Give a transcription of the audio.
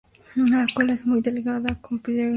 La cola es muy delgada, con pliegues laterales.